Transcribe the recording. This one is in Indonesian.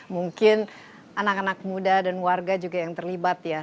mungkin anak anak muda dan warga juga yang terlibat ya